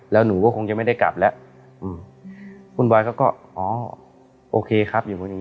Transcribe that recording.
แล้วหนูก็คงจะไม่ได้กลับแล้วคุณบอยเขาก็อ๋อโอเคครับอยู่บนนี้